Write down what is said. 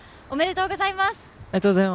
おめでとうございます。